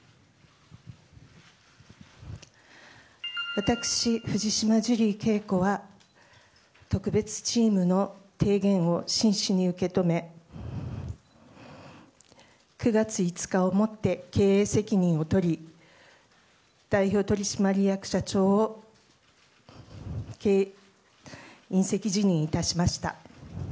私、藤島ジュリー景子は特別チームの提言を真摯に受け止め９月５日をもって経営責任を取り代表取締役社長を引責辞任いたしました。